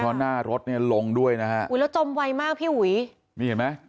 เพราะหน้ารถเนี่ยลงด้วยนะฮะอุ้ยแล้วจมไวมากพี่อุ๋ยนี่เห็นไหม